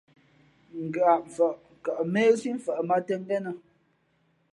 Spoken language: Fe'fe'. Ghǎʼmfαʼ kαʼ méhsí mfαʼ mᾱᾱ tᾱ ngénᾱ.